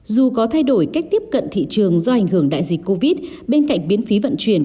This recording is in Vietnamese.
dù có thay đổi cách tiếp cận thị trường do ảnh hưởng đại dịch covid bên cạnh biến phí vận chuyển